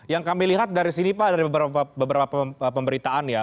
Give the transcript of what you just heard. yang kami lihat dari sini pak dari beberapa pemberitaan ya